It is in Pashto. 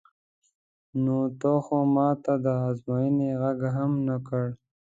نو تا خو ما ته د ازموینې غږ هم نه کړ.